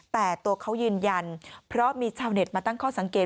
แต่ตัวเขายืนยันเพราะมีชาวเน็ตมาตั้งข้อสังเกต